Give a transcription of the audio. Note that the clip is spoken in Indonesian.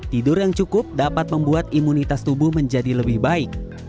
tidur yang cukup dapat membuat imunitas tubuh menjadi lebih baik